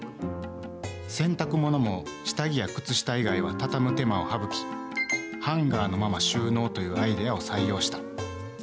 洗濯物も下着や靴下以外は畳む手間を省き、ハンガーのまま収納というアイデアを採用した。